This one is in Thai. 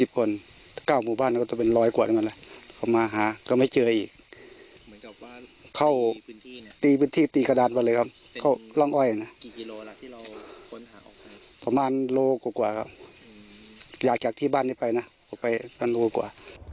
ประมาณโลกกว่าครับอยากจากที่บ้านนี้ไปนะออกไปประมาณโลกกว่า